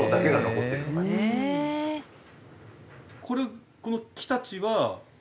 これこの木たちは？